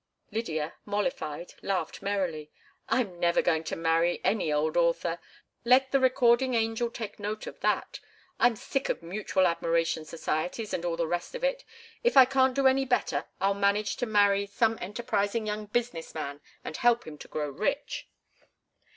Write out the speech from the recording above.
Lydia, mollified, laughed merrily. "I'm never going to marry any old author. Let the recording angel take note of that. I'm sick of mutual admiration societies—and all the rest of it. If I can't do any better I'll manage to marry some enterprising young business man and help him to grow rich."